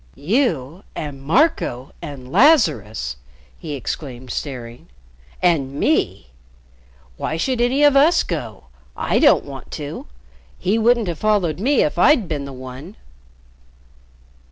"You and Marco and Lazarus!" he exclaimed, staring. "And me! Why should any of us go? I don't want to. He wouldn't have followed me if I'd been the one."